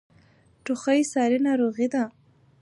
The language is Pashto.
ټوخی ساری ناروغۍ ده.